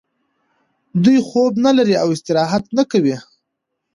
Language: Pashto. دوی خوب نلري او استراحت نه کوي